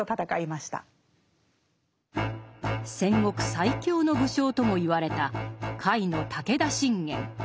戦国最強の武将とも言われた甲斐の武田信玄。